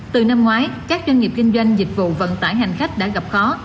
từ năm ngoái các doanh nghiệp kinh doanh dịch vụ vận tải hành khách đã gặp khó